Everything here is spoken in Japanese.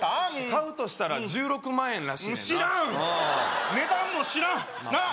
買うとしたら１６万円らしいねんな知らん値段も知らんなっ